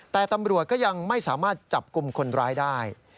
แต่ตำรวจก็ยังไม่สามารถจับกลุ่มคนร้ายได้